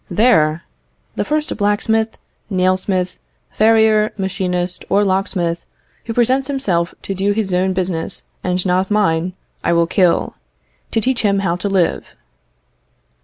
There, the first blacksmith, nail smith, farrier, machinist, or locksmith, who presents himself to do his own business and not mine, I will kill, to teach him how to live."